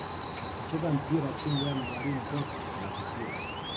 Kucheza mpira chini ya mwalimu Pep kunavutia